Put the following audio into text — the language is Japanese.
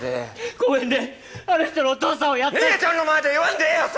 公園であの人のお父さんを姉ちゃんの前で言わんでええやさ！